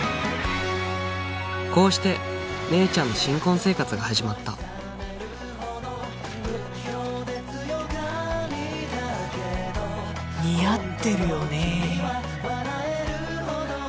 こうして姉ちゃんの新婚生活が始まった似合ってるよね